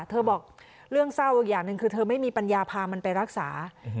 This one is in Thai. บอกเรื่องเศร้าอีกอย่างหนึ่งคือเธอไม่มีปัญญาพามันไปรักษา